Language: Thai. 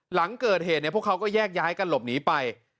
หลังเกิดเหตุพวกเขาก็แยกย้ายกันหลบหนีไป